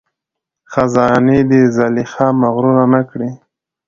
خزانې دي زلیخا مغروره نه کړي